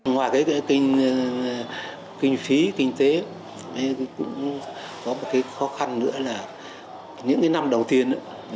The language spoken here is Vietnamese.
ngoài cái kinh phí kinh tế cũng có một cái khó khăn nữa là những cái năm đầu tiên